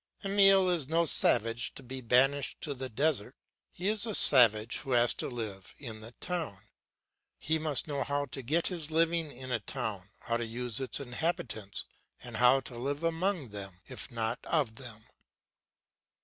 Emile is no savage to be banished to the desert, he is a savage who has to live in the town. He must know how to get his living in a town, how to use its inhabitants, and how to live among them, if not of them.